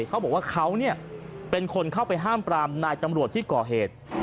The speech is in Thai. เขาบอกว่าเขาเป็นคนเข้าไปห้ามปรามนายตำรวจที่ก่อเหตุ